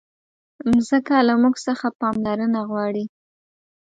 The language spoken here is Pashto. مځکه له موږ څخه پاملرنه غواړي.